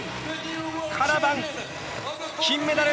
カラバン、金メダル。